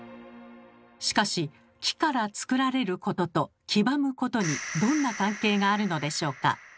しかし木から作られることと黄ばむことにどんな関係があるのでしょうか？